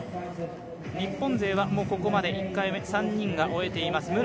日本勢はここまで１回目３人が終えています。